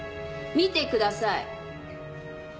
見てください。